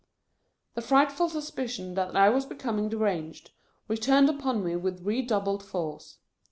The frightful suspicion that I was becoming deranged, returned upon me with redoubled force.